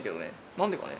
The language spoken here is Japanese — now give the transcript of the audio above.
何でかね。